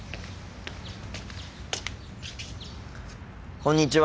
こんにちは。